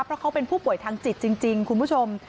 เพราะเขาเป็นผู้ป่วยทางจิตจริงคุณผู้ชม